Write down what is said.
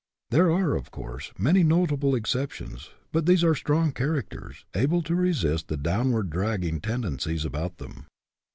There are, of course, many notable exceptions, but these are strong characters, able to resist the downward drag ging tendencies about them.